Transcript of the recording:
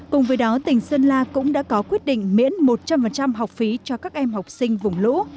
cùng với đó tỉnh sơn la cũng đã có quyết định miễn một trăm linh học phí cho các em học sinh vùng lũ